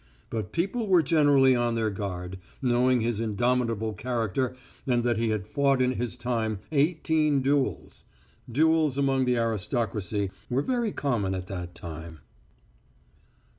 But people were generally on their guard, knowing his indomitable character and that he had fought in his time eighteen duels. Duels among the aristocracy were very common at that time.